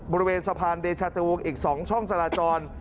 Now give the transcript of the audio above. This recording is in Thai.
บริเวณสะพานเดชาติวงศ์อีก๒ช่องจราจร